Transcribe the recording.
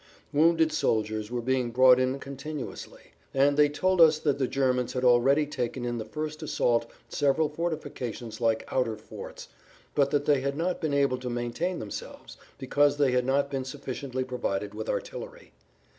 Wounded soldiers were being brought in continuously, and they told us that the Germans had already taken in the first assault several fortifications like outer forts, but that they had not been able to maintain themselves because they had not been sufficiently provided with artillery.